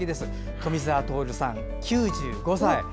富澤徹さん、９５歳。